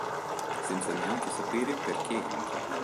Senza neanche sapere perché entra.